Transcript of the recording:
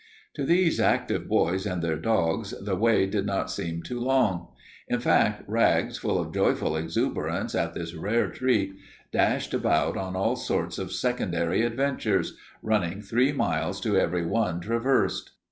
To these active boys and their dogs the way did not seem too long. In fact, Rags, full of joyful exuberance at this rare treat, dashed about on all sorts of secondary adventures, running three miles to every one traversed.